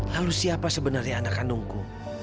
harus siapa sebenarnya anak kandungku